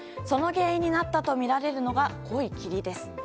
その原因になったとみられるのが濃い霧です。